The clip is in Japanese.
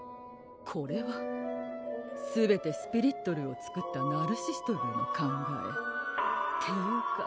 これはすべてスピリットルーを作ったナルシストルーの考えっていうか